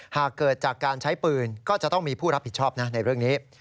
หากเกิดจากการใช้ปืนก็จะต้องมีผู้รับผิดชอบนะในเรื่องนี้